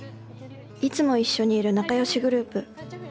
いつもいっしょにいる仲良しグループ。